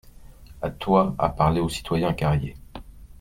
A toi à parler au citoyen Carrier.